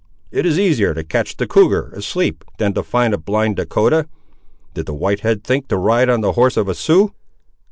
It is easier to catch the cougar asleep, than to find a blind Dahcotah. Did the white head think to ride on the horse of a Sioux?"